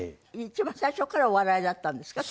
一番最初からお笑いだったんですか？